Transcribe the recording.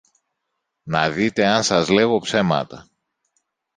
να δείτε αν σας λέγω ψέματα.